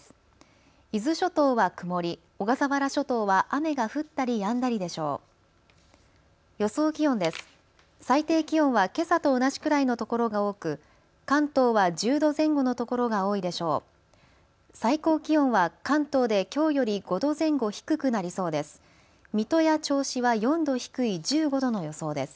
最高気温は関東できょうより５度前後低くなりそうです。